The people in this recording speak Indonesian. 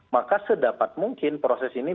maka sedapat mungkin proses ini